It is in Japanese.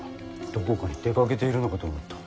どこかに出かけているのかと思った。